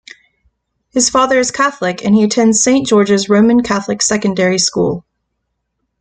His father is Catholic, and he attended Saint George's Roman Catholic Secondary School.